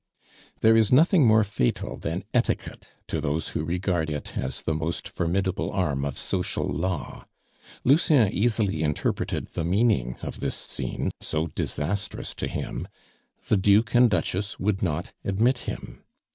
There is nothing more fatal than etiquette to those who regard it as the most formidable arm of social law. Lucien easily interpreted the meaning of this scene, so disastrous to him. The Duke and Duchess would not admit him.